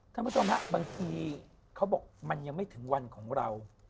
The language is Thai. คุณผู้ชมฮะบางทีเขาบอกมันยังไม่ถึงวันของเรา